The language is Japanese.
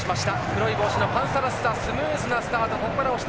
黒い帽子のパンサラッサスムーズなスタート。